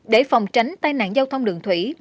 để phòng tránh tai nạn giao thông đường thủy